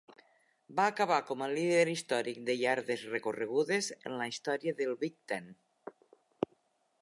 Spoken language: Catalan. Va acabar com a líder històric de iardes recorregudes en la història del Big Ten.